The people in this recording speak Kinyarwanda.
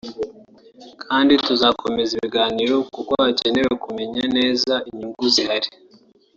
kandi tuzakomeza ibiganiro kuko hakenewe kumenya neza inyungu zihari